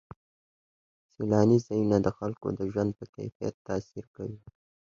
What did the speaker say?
سیلاني ځایونه د خلکو د ژوند په کیفیت تاثیر کوي.